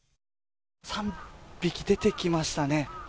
３匹、出てきましたね。